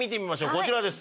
こちらです。